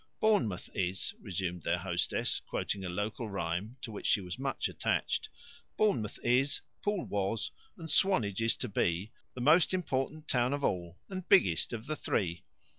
"'Bournemouth is,'" resumed their hostess, quoting a local rhyme to which she was much attached " 'Bournemouth is, Poole was, and Swanage is to be the most important town of all and biggest of the three.'